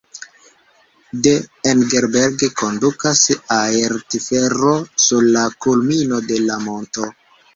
De Engelberg kondukas aertelfero sur la kulmino de la monto.